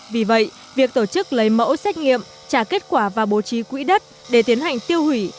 vì vậy việc tổ chức lấy mẫu xét nghiệm trả kết quả và bố trí quỹ đất để tiến hành tiêu hủy